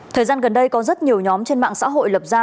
thời gian gần đây có rất nhiều nhóm trên mạng xã hội lập ra